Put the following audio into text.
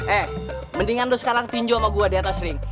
eh mendingan tuh sekarang tinju sama gua di atas ring